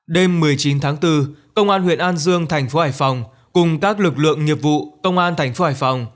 đêm một mươi chín tháng bốn công an huyện an dương thành phố hải phòng cùng các lực lượng nghiệp vụ công an thành phố hải phòng